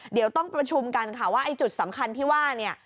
เดี๋ยวต้องประชุมกันค่ะว่าไอ้จุดสำคัญที่ว่าเนี่ย